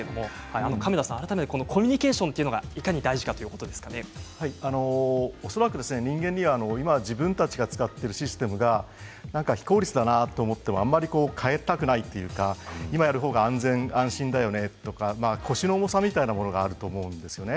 亀田さん、コミュニケーションが恐らく人間には今、自分たちが使っているシステムが非効率だなと思ってもあまり変えたくないというか今やってる方が安全安心というか腰の重さみたいなことがあると思うんです。